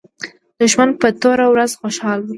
دښمن په توره ورځ خوشاله وي